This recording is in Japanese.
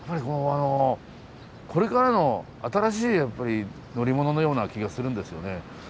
これからの新しい乗り物のような気がするんですよね。